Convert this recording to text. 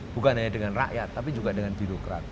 bukan hanya dengan rakyat tapi juga dengan birokrat